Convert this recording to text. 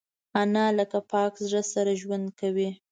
انا له پاک زړه سره ژوند کوي